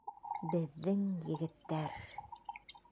Беҙҙең егеттәр...